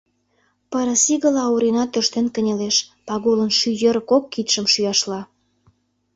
Пырыс игыла Орина тӧрштен кынелеш, Пагулын шӱй йыр кок кидшым шӱяшла.